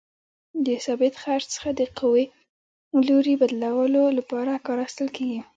د ثابت څرخ څخه د قوې لوري بدلولو لپاره کار اخیستل کیږي.